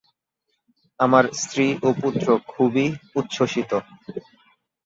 আমার স্ত্রী ও পুত্র খুবই উচ্ছ্বসিত।